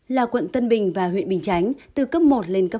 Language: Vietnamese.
là quận tân bình và huyện bình chánh từ cấp một lên cấp một